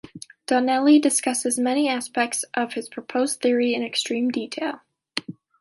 Donnelly discusses many aspects of his proposed theory in extreme detail.